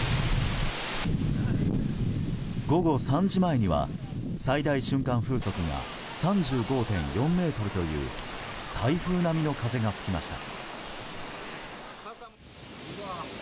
午後３時前には最大瞬間風速が３５．４メートルという台風並みの風が吹きました。